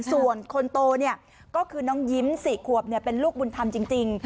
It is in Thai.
ส่วนคนโตก็คือน้องยิ้ม๔ขวบเป็นลูกบุญธรรมจริง